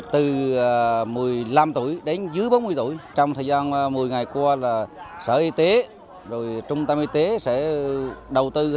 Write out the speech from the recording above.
từ một mươi năm tuổi đến dưới bốn mươi tuổi trong thời gian một mươi ngày qua là sở y tế trung tâm y tế sẽ đầu tư